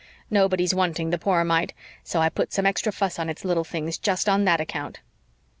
Nobody's wanting the poor mite so I put some extra fuss on its little things just on that account."